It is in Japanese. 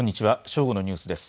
正午のニュースです。